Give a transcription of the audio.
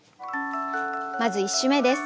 まず１首目です。